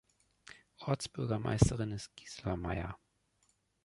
Ortsbürgermeisterin ist Gisela Meyer.